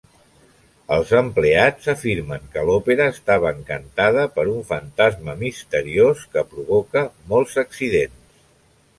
Els empleats afirmen que l'òpera estava encantada per un fantasma misteriós que provoca molts accidents.